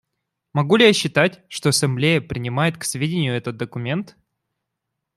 Могу ли я считать, что Ассамблея принимает к сведению этот документ?